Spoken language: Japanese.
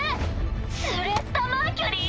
スレッタ・マーキュリー？